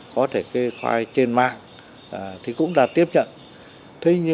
có thể kê khai trên mạng thì cũng đã tiếp nhận